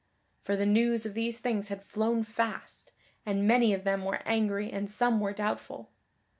For the news of these things had flown fast, and many of them were angry and some were doubtful.